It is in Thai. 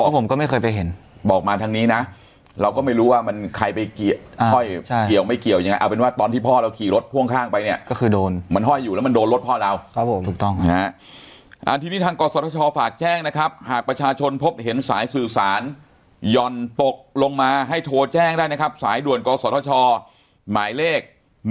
ผมก็ไม่เคยไปเห็นบอกมาทางนี้นะเราก็ไม่รู้ว่ามันใครไปเกี่ยวห้อยเกี่ยวไม่เกี่ยวยังไงเอาเป็นว่าตอนที่พ่อเราขี่รถพ่วงข้างไปเนี่ยก็คือโดนมันห้อยอยู่แล้วมันโดนรถพ่อเราครับผมถูกต้องนะฮะทีนี้ทางกศชฝากแจ้งนะครับหากประชาชนพบเห็นสายสื่อสารย่อนตกลงมาให้โทรแจ้งได้นะครับสายด่วนกศธชหมายเลข๑